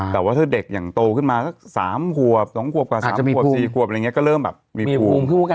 แต่ว่าถ้าเด็กอย่างโตขึ้นมาสัก๓ขวบ๒ขวบกว่า๓ขวบ๔ขวบอะไรอย่างนี้ก็เริ่มแบบมีภูมิ